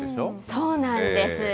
そうなんです。